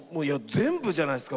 全部じゃないですか？